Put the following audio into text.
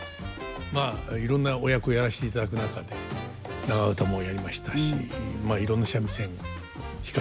まあいろんなお役をやらせていただく中で長唄もやりましたしまあいろんな三味線弾かせてもらいました。